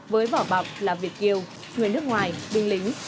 với vỏ bọc là việt kiều người nước ngoài binh lính